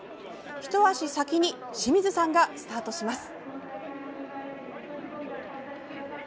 一足先に清水さんがスタートします。